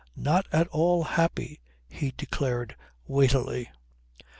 Not at all happy," he declared weightily.